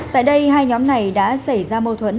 tại đây hai nhóm này đã xảy ra mâu thuẫn